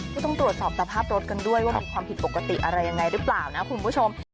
ก็ต้องตรวจสอบสภาพรถกันด้วยว่ามีความผิดปกติอะไรยังไงหรือเปล่านะคุณผู้ชม